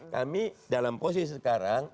kami dalam posisi sekarang